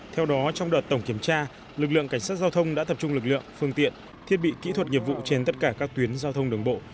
theo đó trong đợt tổng kiểm tra lực lượng cảnh sát giao thông đã tập trung lực lượng phương tiện thiết bị kỹ thuật nghiệp vụ trên tất cả các tuyến giao thông đường bộ